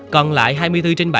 còn lại hai mươi bốn trên bảy